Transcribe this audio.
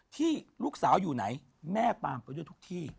ที่ลูกสาวอยู่ไหนแม่ตามไปด้วยทุกที่